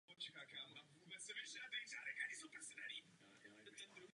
Fosilie tohoto sauropoda byly dosud objeveny na několika místech v Číně.